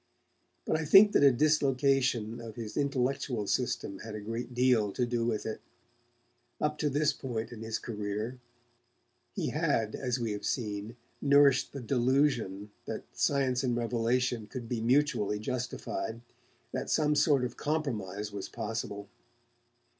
But I think that a dislocation of his intellectual system had a great deal to do with it. Up to this point in his career, he had, as we have seen, nourished the delusion that science and revelation could be mutually justified, that some sort of compromise was possible.